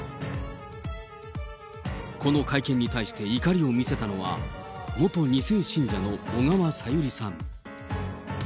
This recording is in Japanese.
この会見に対して怒りを見せたのは、元２世信者の小川さゆりさん。